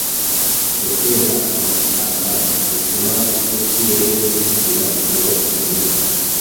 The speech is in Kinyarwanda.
Gutera amashyamba bituma n’ikirere kigira umwuka mwiza,